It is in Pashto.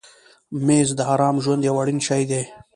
مېز د آرام ژوند یو اړین شی دی.